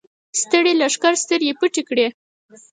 ستړي لښکر سترګې پټې کړې.